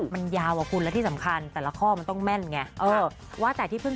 มันยาวอะคุณและที่สำคัญแต่ละข้อมันต้องแม่นไง